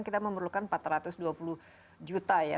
kita memerlukan empat ratus dua puluh juta ya